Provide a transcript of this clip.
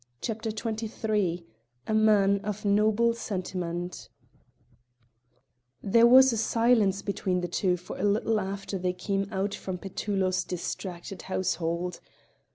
CHAPTER XXIII A MAN OF NOBLE SENTIMENT There was a silence between the two for a little after they came out from Petullo's distracted household.